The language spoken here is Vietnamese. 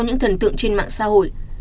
những thần tượng trên mạng xã hội